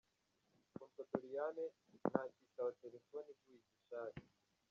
Kundwa Doriane ntacyitaba telefone ivuye i Gishari.